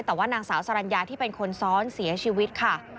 แต่ว่านางสาวสรรญาที่เป็นคนซ้อนเสียชีวิตค่ะ